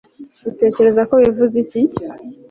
utekereza ko bivuze iki